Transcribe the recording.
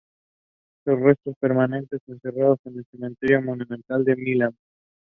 The sepals are long and densely hairy.